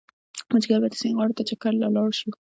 مازيګر به د سيند غاړې ته چکر له لاړ شو